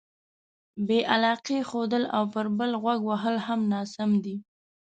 بې علاقې ښودل او پر بل غوږ وهل هم ناسم دي.